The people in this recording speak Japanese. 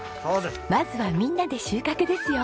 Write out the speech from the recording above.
まずはみんなで収穫ですよ。